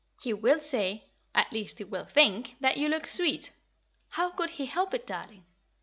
"He will say at least, he will think that you look sweet. How could he help it, darling?